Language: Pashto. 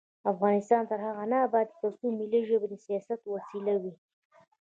افغانستان تر هغو نه ابادیږي، ترڅو ملي ژبې د سیاست وسیله وي.